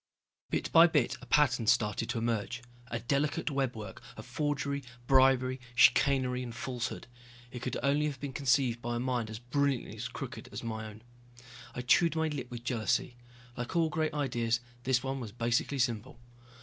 Bit by bit a pattern started to emerge. A delicate webwork of forgery, bribery, chicanery and falsehood. It could only have been conceived by a mind as brilliantly crooked as my own. I chewed my lip with jealousy. Like all great ideas, this one was basically simple.